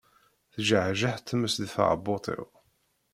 Tejjeḥjeḥ tmes di tɛebbuḍt-iw.